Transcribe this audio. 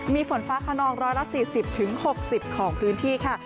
มีฝนฟ้าขนอง๑๔๐๖๐ของพื้นที่ค่ะ